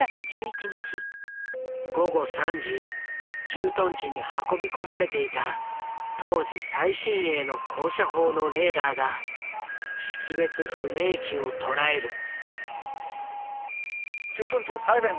駐屯地に運び込まれていた当時最新鋭の高射砲のレーダーが識別不明機を捉える。